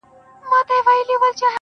o نه؛ مزل سخت نه و، آسانه و له هري چاري.